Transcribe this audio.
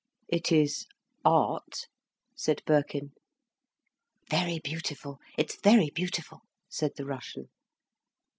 "It is art," said Birkin. "Very beautiful, it's very beautiful," said the Russian.